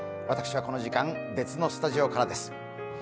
私はこの時間、別のスタジオからです。